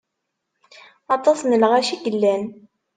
Aṭas n lɣaci i yellan.